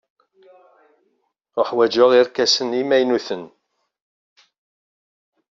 Ḥwajen irkasen imaynuten.